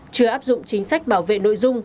chưa áp dụng chính sách bảo vệ nội dung